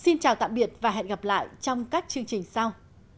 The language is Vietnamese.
xin chào tạm biệt và hẹn gặp lại trong các chương trình sau